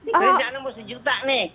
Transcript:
kerjaan nomor sejuta nih